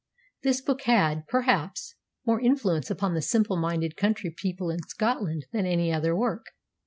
This book had, perhaps, more influence upon the simple minded country people in Scotland than any other work.